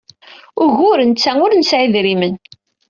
Ugur netta ur nesɛi idrimen.